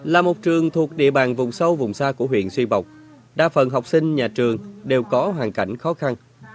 là một trường thuộc địa bàn vùng sâu vùng xa của huyện suy bọc đa phần học sinh nhà trường đều có hoàn cảnh khó khăn